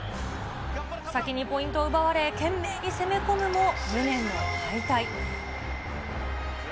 先にポイントを奪われ、懸命に攻め込むも、無念の敗退。